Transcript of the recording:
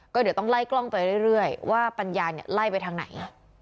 ก็เดี๋ยวต้องไล่กล้องไปเรื่อยว่าปัญญาเนี่ยไล่ไปทางไหน